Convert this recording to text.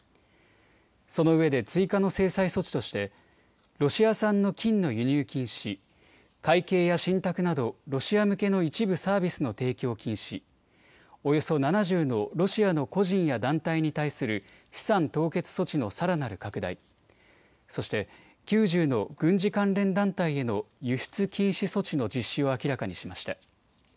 そのうえで追加の制裁措置としてロシア産の金の輸入禁止、会計や信託などロシア向けの一部サービスの提供禁止、およそ７０のロシアの個人や団体に対する資産凍結措置のさらなる拡大、そして９０の軍事関連団体への輸出禁止措置の実施を明らかにしました。